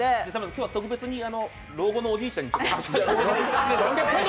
今日は特別に老後のおじいちゃんに。